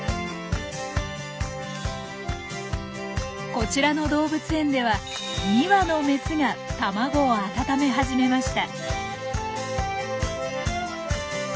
こちらの動物園では２羽のメスが卵を温め始めました。